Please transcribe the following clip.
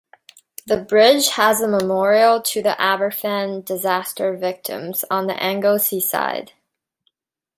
The bridge has a memorial to the Aberfan disaster victims on the Anglesey side.